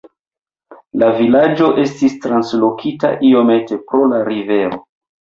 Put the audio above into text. La vilaĝo estis translokita iomete pro la rivero.